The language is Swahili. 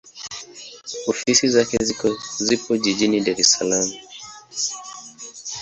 Ofisi zake kuu zipo Jijini Dar es Salaam.